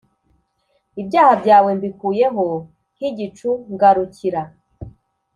ibyaha byawe mbikuyeho nk igicu ngarukira